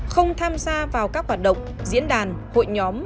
không tham gia vào các hoạt động diễn đàn hội nhóm